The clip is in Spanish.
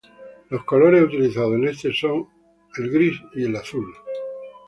Los colores utilizados en este son el gris y el azul.